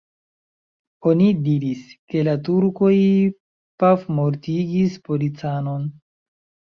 Oni diris, ke la turkoj pafmortigis policanon.